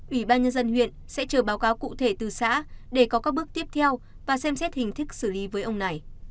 ủy ban nhân dân huyện sẽ chờ báo cáo cụ thể từ xã để có các bước tiếp theo và xem xét hình thức xử lý với ông này